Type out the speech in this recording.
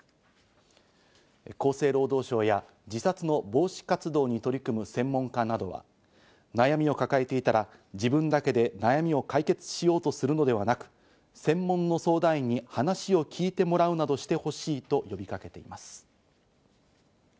厚生労働省や自殺の防止活動に取り組む専門家などは、悩みを抱えていたら自分だけで悩みを解決しようとするのではなく、専門の相談員に話を聞いてもらうなどしてほしいと呼びかけています。